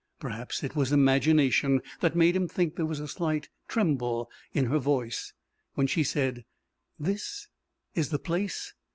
Perhaps it was imagination that made him think there was a slight tremble in her voice when she said: "This is the place?"